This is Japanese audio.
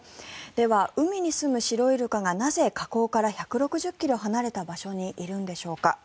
では、海にすむシロイルカがなぜ河口から１６０ｋｍ離れた場所にいるんでしょうか。